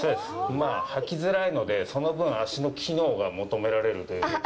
まあ履きづらいのでその分、足の機能が求められるということで。